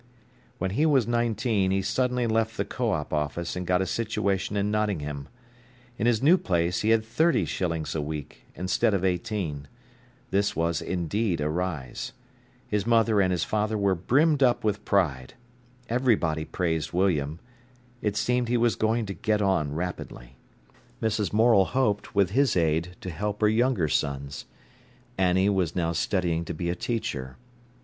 When he was nineteen he suddenly left the Co op. office and got a situation in Nottingham. In his new place he had thirty shillings a week instead of eighteen. This was indeed a rise. His mother and his father were brimmed up with pride. Everybody praised William. It seemed he was going to get on rapidly. Mrs. Morel hoped, with his aid, to help her younger sons. Annie was now studying to be a teacher.